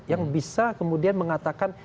yang bisa kemudian mengatakan